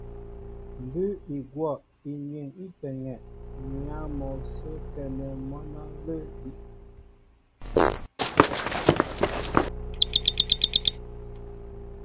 Mbʉ́ʉ́ i gwɔ̂ inyeŋ í peŋɛ m̀yǎ mɔ sə́ a kɛnɛ mwǎn á ǹlə́ edí'.